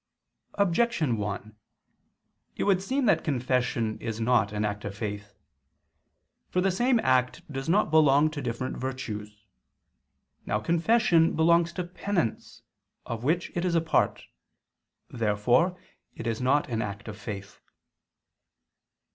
Objection 1: It would seem that confession is not an act of faith. For the same act does not belong to different virtues. Now confession belongs to penance of which it is a part. Therefore it is not an act of faith.